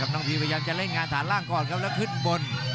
น้องพีพยายามจะเล่นงานฐานล่างก่อนครับแล้วขึ้นบน